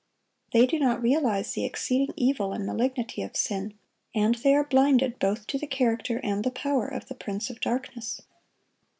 They do not realize the exceeding evil and malignity of sin, and they are blinded both to the character and the power of the prince of darkness.